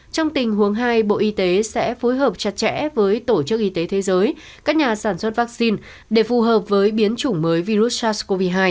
trong tình huống hai bộ y tế sẽ phối hợp chặt chẽ với tổ chức y tế thế giới các nhà sản xuất vaccine để phù hợp với biến chủng mới virus sars cov hai